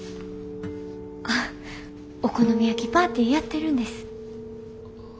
あお好み焼きパーティーやってるんです。